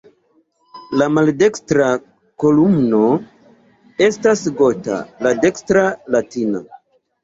La maldekstra kolumno estas "gota", la dekstra "latina".